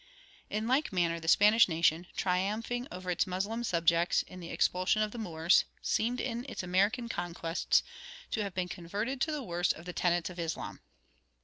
In like manner the Spanish nation, triumphing over its Moslem subjects in the expulsion of the Moors, seemed in its American conquests to have been converted to the worst of the tenets of Islam.